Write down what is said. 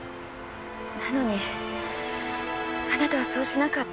なのにあなたはそうしなかった。